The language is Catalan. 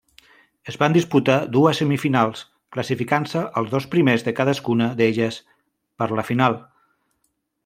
Es van disputar dues semifinals, classificant-se els dos primers de cadascuna d'elles per la final.